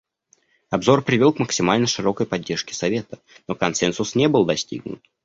Обзор привел к максимально широкой поддержке Совета, но консенсус не был достигнут.